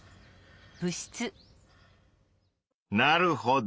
なるほど。